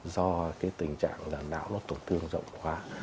do cái tình trạng là não nó tổn thương rộng hóa